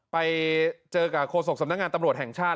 ไปเจอกับโฆษกสำนักงานตำรวจแห่งชาติ